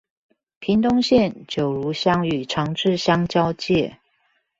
屏東縣九如鄉與長治鄉交界